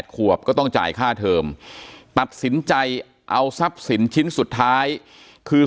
ขวบก็ต้องจ่ายค่าเทอมตัดสินใจเอาทรัพย์สินชิ้นสุดท้ายคือ